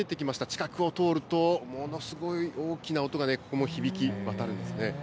近くを通ると、ものすごい大きな音が、ここも響き渡るんですね。